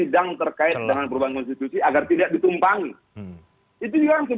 dan bisa terpilih untuk lima tahun berikutnya